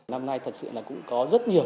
năm nay thật sự là cũng có rất nhiều